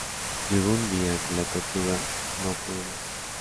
Llegó un día que la tortuga no pudo más.